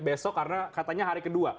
besok karena katanya hari kedua